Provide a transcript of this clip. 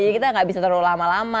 kita nggak bisa terlalu lama lama